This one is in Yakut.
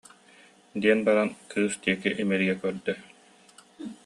диэн баран кыыс диэки имэрийэ көрдө